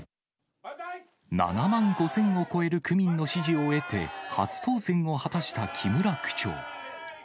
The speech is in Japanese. ７万５０００を超える区民の支持を得て初当選を果たした木村区長。